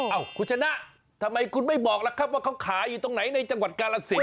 เอ้าคุณชนะทำไมคุณไม่บอกล่ะครับว่าเขาขายอยู่ตรงไหนในจังหวัดกาลสิน